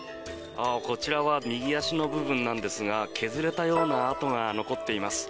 こちらは右足の部分なんですが削れたような跡が残っています。